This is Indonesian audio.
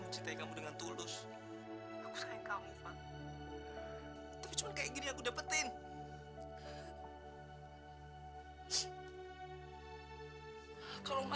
sampai jumpa di video selanjutnya